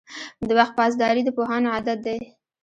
• د وخت پاسداري د پوهانو عادت دی.